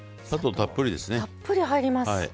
たっぷり入ります。